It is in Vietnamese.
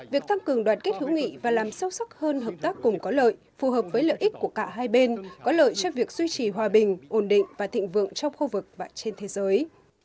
việc tăng cường đoàn kết hữu nghị và làm sâu sắc hơn hợp tác cùng có lợi phù hợp với lợi ích của cả hai bên có lợi cho việc duy trì hòa bình ổn định và thịnh vượng trong khu vực và trên thế giới